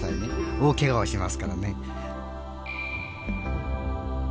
大ケガをしますからね。